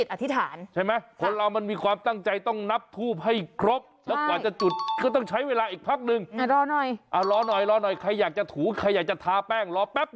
โอ้โฮผิดไม่ได้ไงเราต้องเพ่งจิตอธิษฐาน